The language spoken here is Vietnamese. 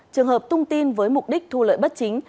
trường hợp tung tin với mục đích thu lợi bất chính